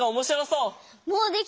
もうできたね！